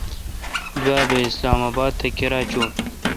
دوابھ اسلام اباد تھ کیرا چوں ۔